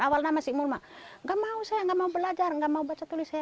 awalnya masih mul gak mau saya gak mau belajar gak mau baca tulis saya